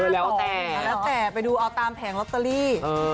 แล้วแต่ไปดูเอาตามแผงลอตเตอรี่